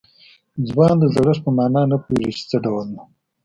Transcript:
ځوان د زړښت په معنا نه پوهېږي چې څه ډول ده.